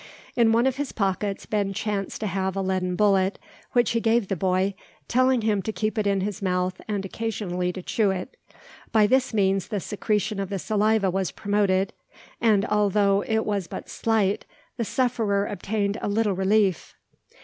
In one of his pockets Ben chanced to have a leaden bullet, which he gave the boy, telling him to keep it in his mouth and occasionally to chew it. By this means the secretion of the saliva was promoted; and although it was but slight, the sufferer obtained a little relief.